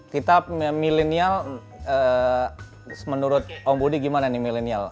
kita milenial menurut om budi gimana nih milenial